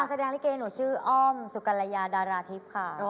แนะนำแสดงลิก่ระหนูชื่ออ้อมสุกันลัยยาดาราธิปศ์